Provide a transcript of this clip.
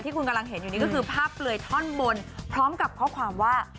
คุณกำลังเห็นอยู่นี่ก็คือภาพเปลือยท่อนบนพร้อมกับข้อความว่า